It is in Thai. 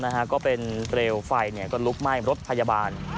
เตรียลไฟเนี่ยก็ลุกไหม้รถพยาบาล